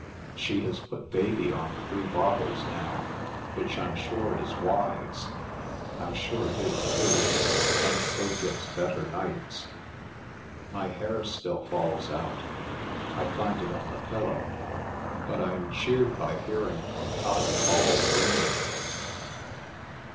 She has put Baby on three bottles now, which I'm sure is wise (I'm sure it is too), and so gets better nights. ... My hair still falls out. I find it on the pillow! But I am cheered by hearing from Tottie Hall Green.